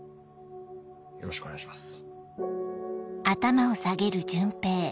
よろしくお願いします。